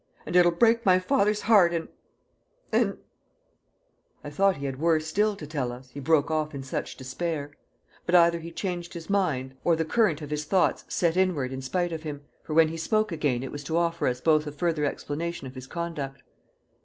"And it'll break my father's heart, and and " I thought he had worse still to tell us, he broke off in such despair; but either he changed his mind, or the current of his thoughts set inward in spite of him, for when he spoke again it was to offer us both a further explanation of his conduct.